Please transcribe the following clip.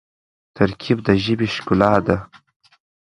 ترکیب د ژبي ښکلا ده.